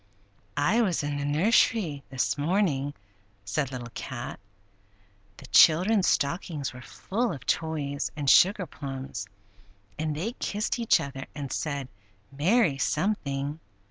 "I was in the nursery this morning," said Little Cat. "The children's stockings were full of toys and sugar plums, and they kissed each other and said, 'Merry'—something!